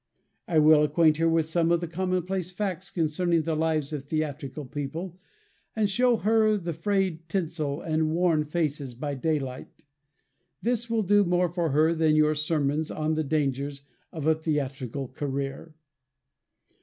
I will acquaint her with some of the commonplace facts concerning the lives of theatrical people, and show her the frayed tinsel and worn faces by daylight. This will do more for her than all your sermons on the dangers of a theatrical career.